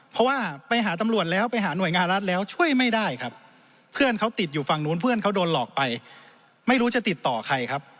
เพราะว่าไปหาตำรวจแล้วไปหาหน่วยงานรัฐแล้วช่วยไม่ได้ครับเพื่อนเขาติดอยู่ฝั่งนู้นเพื่อนเขาโดนหลอกไปไม่รู้จะติดต่อใครครับ